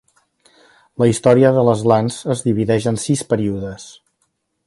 La història de les Lands es divideix en sis períodes.